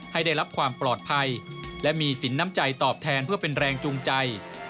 ให้ได้รับความปลอดภัยและมีสินน้ำใจตอบแทนเพื่อเป็นแรงจูงใจ